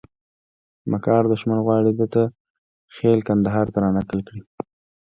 مکار دښمن غواړي دته خېل کندهار ته رانقل کړي.